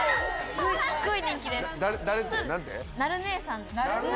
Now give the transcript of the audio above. ・すっごい人気です。